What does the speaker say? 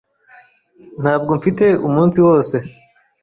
Ntabwo mfite umunsi wose.